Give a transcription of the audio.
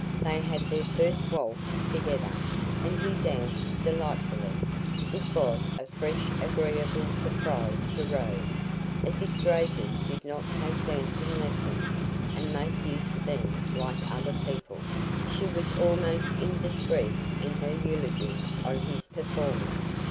They had their first waltz together, and he danced delightfully. This was a fresh agreeable surprise to Rose as if drapers did not take dancing lessons and make use of them like other people; she was almost indiscreet in her eulogies on his performance.